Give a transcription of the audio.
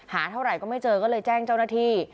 เท่าไหร่ก็ไม่เจอก็เลยแจ้งเจ้าหน้าที่